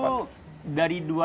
itu dari dua ribu sembilan